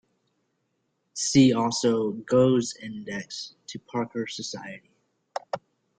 See also Gough's Index to Parker Soc.